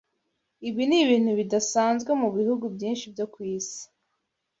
Ibi ni ibintu bidasanzwe mu bihugu byinshi byo ku isi